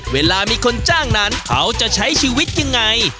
เวลามีคนจ้างนั้นเขาจะใช้ชีวิตยังไง